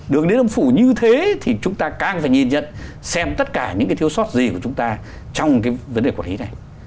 đường điện âm phủ như thế thì chúng ta càng phải nhìn nhận xem tất cả những cái thiếu sót gì của chúng ta trong cái vấn đề quản lý này